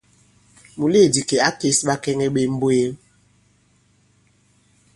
Mùleèdì kì à kês ɓakɛŋɛ ɓe mbwee.